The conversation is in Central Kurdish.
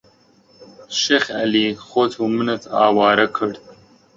شێخ عەلی خۆت و منت ئاوارە کرد